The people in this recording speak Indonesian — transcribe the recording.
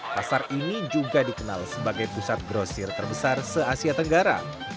pasar ini juga dikenal sebagai pusat grosir terbesar se asia tenggara